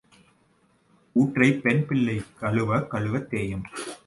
ஊற்றைப் பெண் பிள்ளை கழுவக் கழுவத் தேயும்.